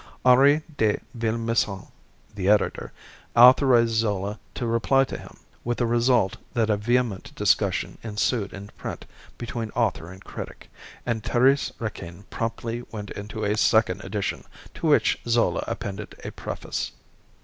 Henri de Villemessant, the Editor, authorised Zola to reply to him, with the result that a vehement discussion ensued in print between author and critic, and "Thérèse Raquin" promptly went into a second edition, to which Zola appended a preface.